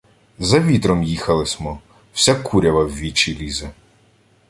— За вітром їхали смо. Вся курява в вічі лізе.